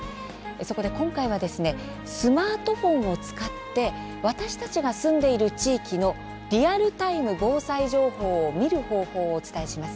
そこで、今回はスマートフォンを使って私たちが住んでいる地域の「リアルタイム防災情報」を見る方法をお伝えします。